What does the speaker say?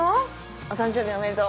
お誕生日おめでとう。